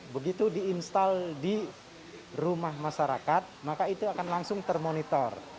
begitu di install di rumah masyarakat maka itu akan langsung termonitor